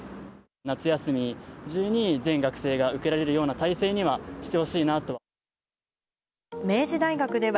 夏休み中に全学生が受けられるような体制にはしてほしいなとは。